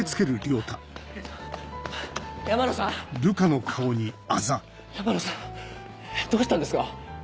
山野さんどうしたんですか？